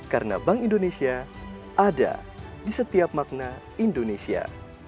karena bank indonesia ada di setiap makna indonesia